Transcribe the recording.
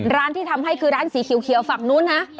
ร้านที่ทำให้คือร้านสีเขียวฝั่งนู้นนะ